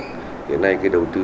hiện nay cái đầu tư